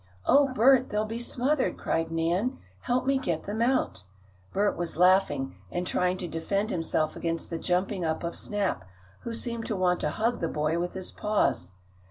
"Oh, Bert! They'll be smothered!" cried Nan. "Help me get them out!" Bert was laughing, and trying to defend himself against the jumping up of Snap, who seemed to want to hug the boy with his paws.